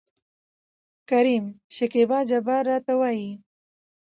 کريم : شکيبا جبار راته وايي.